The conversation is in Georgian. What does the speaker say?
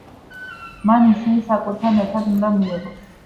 მან ისინი საკვებთან ერთად უნდა მიიღოს.